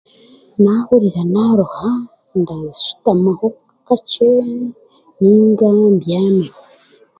Naahurira naaruha, ndashutamaho kakye nainga mbyameho.